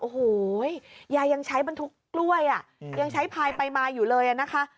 โอ้โหยายยังใช้บรรทุกกล้วยอ่ะยังใช้พายไปมาอยู่เลยนะคะ